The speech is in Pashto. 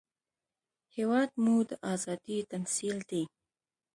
هېواد مو د ازادۍ تمثیل دی